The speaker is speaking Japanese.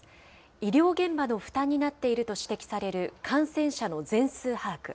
医療現場の負担になっていると指摘される感染者の全数把握。